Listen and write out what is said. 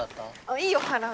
いいよ払うし。